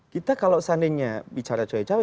kita kalau seandainya bicara cawe cawe